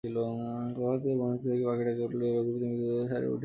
প্রভাতে বন হইতে যখন পাখি ডাকিয়া উঠিল, তখন রঘুপতি মৃতদেহ ছাড়িয়া উঠিয়া গেলেন।